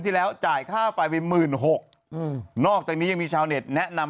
ที่แล้วจ่ายค่าไฟไปหมื่นหกอืมนอกจากนี้ยังมีชาวเน็ตแนะนำ